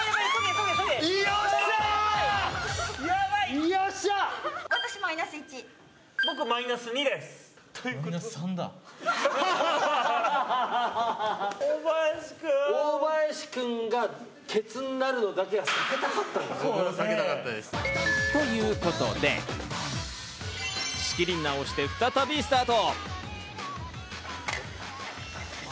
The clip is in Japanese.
よっしゃ！ということで、仕切り直して再びスタート！